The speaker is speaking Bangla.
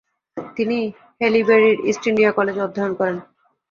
তিনি হ্যালিবেরির ইস্ট ইন্ডিয়া কলেজে অধ্যয়ন করেন।